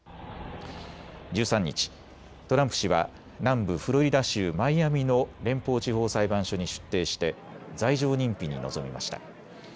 １３日、トランプ氏は南部フロリダ州マイアミの連邦地方裁判所に出廷して罪状認否に臨みました。